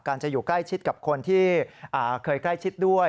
จะอยู่ใกล้ชิดกับคนที่เคยใกล้ชิดด้วย